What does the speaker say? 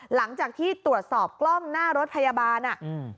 หลังจากที่ตรวจสอบกล้อมหน้ารถพยาบาล